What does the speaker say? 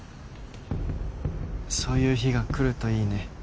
そういう日が来るといいね。